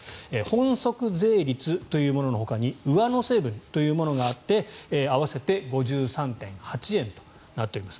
本則税率というもののほかに上乗せ分というものがあって合わせて５３．８円となっています。